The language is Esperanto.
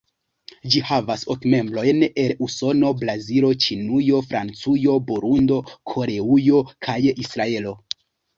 Ĝi havas ok membrojn, el Usono, Brazilo, Ĉinujo, Francujo, Burundo, Koreujo kaj Israelo.